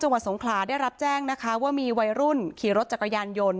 จังหวัดสงขลาได้รับแจ้งนะคะว่ามีวัยรุ่นขี่รถจักรยานยนต์